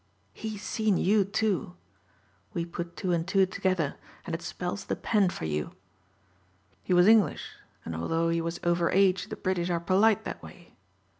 He's seen you, too. We put two and two together and it spells the pen for you. He was English and although he was over age the British are polite that way.